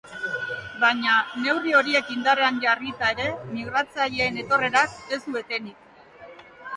Baina, neurri horiek indarrean jarrita ere, migratzaileen etorrerak ez du etenik.